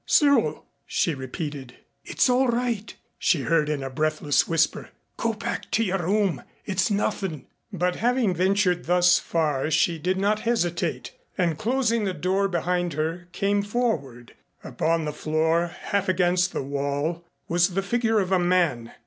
"Cyril!" she repeated. "It's all right," she heard in a breathless whisper. "Go back to your room. It's nothin'." But having ventured thus far she did not hesitate, and closing the door behind her came forward. Upon the floor, half against the wall, was the figure of a man.